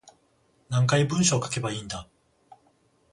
何回文章書けばいいんだ